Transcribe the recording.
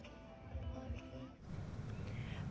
cảnh quan thoáng đãng và thân thiện